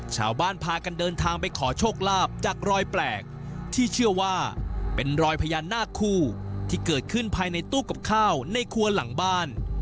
ชาวบ้านพากันเดินทางไปขอโชคลาภจากรอยแปลกที่เชื่อว่าเป็นรอยพญานาคคู่ที่เกิดขึ้นภายในตู้กับข้าวในครัวหลังบ้าน